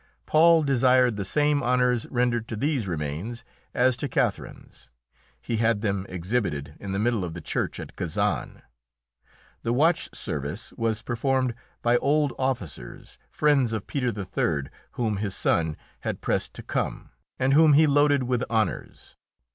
Paul desired the same honours rendered to these remains as to Catherine's. He had them exhibited in the middle of the Church at Kazan; the watch service was performed by old officers, friends of Peter III, whom his son had pressed to come, and whom he loaded with honours.